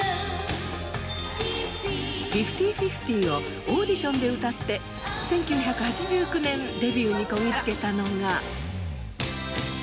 『５０／５０』をオーディションで歌って１９８９年デビューにこぎつけたのが。